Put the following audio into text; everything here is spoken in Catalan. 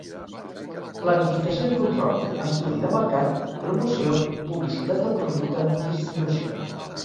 Planificació i control, estudi de mercat, promoció, publicitat del producte, distribució.